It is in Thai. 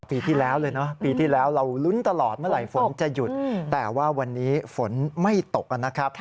ปีที่แล้วเลยนะปีที่แล้วเราลุ้นตลอดเมื่อไหร่ฝนจะหยุดแต่ว่าวันนี้ฝนไม่ตกนะครับ